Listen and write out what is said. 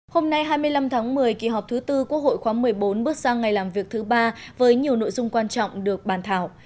hôm nay hai mươi năm tháng một mươi kỳ họp thứ tư quốc hội khóa một mươi bốn bước sang ngày làm việc thứ ba với nhiều nội dung quan trọng được bàn thảo